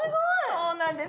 そうなんです。